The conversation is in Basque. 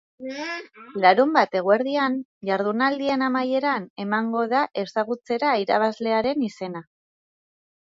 Larunbat eguerdian, jardunaldien amaieran, emango da ezagutzera irabazlearen izena.